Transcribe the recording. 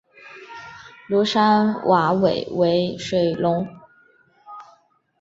庐山瓦韦为水龙骨科瓦韦属下的一个种。